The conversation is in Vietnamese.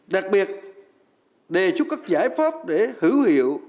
đặc biệt đề xuất các giải pháp để hữu hiệu